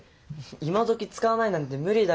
今どき使わないなんて無理だよ。